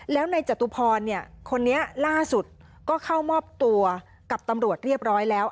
แล้วในจตุพรคนนี้ล่าสุดก็เข้ามอบตัวกับตำรวจเรียบร้อยแล้ว